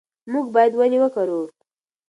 موږ باید ونې وکرو.